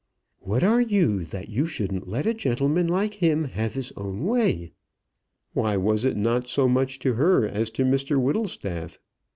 "What are you, that you shouldn't let a gentleman like him have his own way?" Why was it not so much to her as to Mr Whittlestaff?